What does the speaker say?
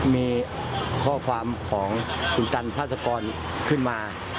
มีข้อความของคุณกันพาสกรขึ้นมา